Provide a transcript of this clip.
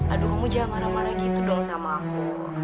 aduh kamu ja marah marah gitu dong sama aku